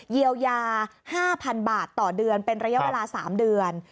เยียวยา๕๐๐๐บาทต่อเดือนเป็นระยะเวลา๓เดือน